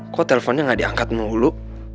kok teleponnya gak diangkat mulu